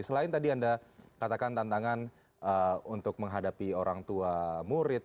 selain tadi anda katakan tantangan untuk menghadapi orang tua murid